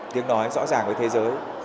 tiếng nói rõ ràng với thế giới